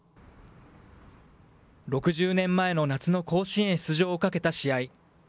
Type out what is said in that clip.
６０年前の夏の甲子園出場をかけた試合。